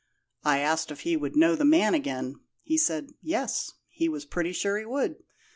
I asked if he would know the man again. He said, 'Yes,' he was pretty sure he would.